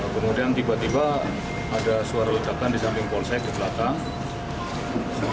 kemudian tiba tiba ada suara ledakan di samping polsek di belakang